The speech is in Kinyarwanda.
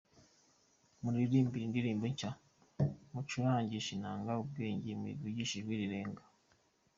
Mumuririmbire indirimbo nshya, Mucurangishe inanga ubwenge, Muyivugishe ijwi rirenga.